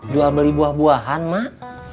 jual beli buah buahan mak